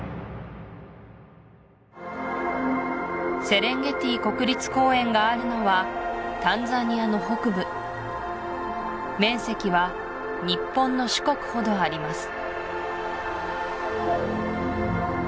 セレンゲティ国立公園があるのはタンザニアの北部面積は日本の四国ほどあります